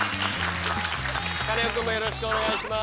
カネオくんもよろしくお願いします。